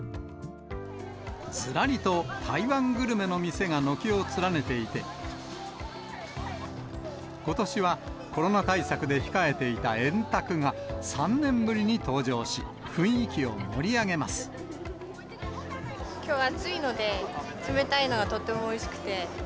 ずらりと台湾グルメの店が軒を連ねていて、ことしは、コロナ対策で控えていた円卓が３年ぶりに登場し、雰囲気を盛り上きょう暑いので、冷たいのがとってもおいしくて。